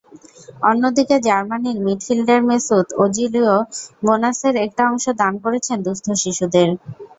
অন্যদিকে জার্মানির midfielder Mesut ওজিলও বোনাসের একটা অংশ দান করেছেন দুস্থ শিশুদের।